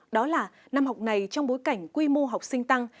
đó là năm học này trong bối cảnh quy mô học sinh tăng